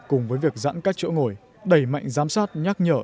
cùng với việc giãn cách chỗ ngồi đẩy mạnh giám sát nhắc nhở